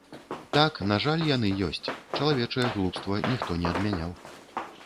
Так, на жаль, яны ёсць, чалавечае глупства ніхто не адмяняў.